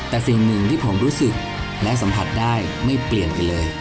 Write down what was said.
แต่สิ่งหนึ่งที่ผมรู้สึกและสัมผัสได้ไม่เปลี่ยนไปเลย